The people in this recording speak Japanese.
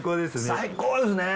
最高ですね。